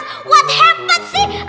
apa yang terjadi sih